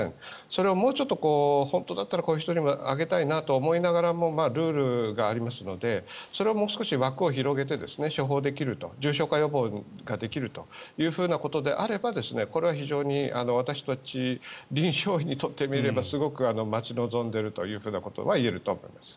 それをもうちょっと本当だったらこういう人にもあげたいなと思いながらもルールがありますのでそれをもう少し枠を広げて処方できる重症化予防ができるということであればこれは非常に私たち臨床医にとってみればすごく待ち望んでいるということは言えると思います。